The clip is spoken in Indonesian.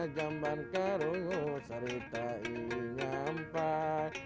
kampen selamat lingkungan latar